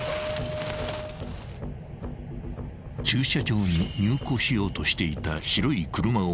［駐車場に入庫しようとしていた］